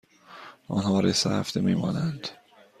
آنها برای سه هفته می مانند.